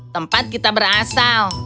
tempat kita berasal